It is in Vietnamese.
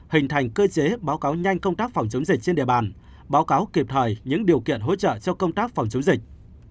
hình thành cơ chế báo cáo nhanh công tác phòng chống dịch trên địa bàn báo cáo kịp thời những điều kiện hỗ trợ cho công tác phòng chống dịch